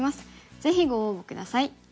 ぜひご応募下さい。